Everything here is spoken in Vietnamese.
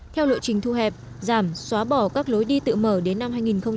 theo lộ trình thu hẹp giảm xóa bỏ các lối đi tự mở đến năm hai nghìn ba mươi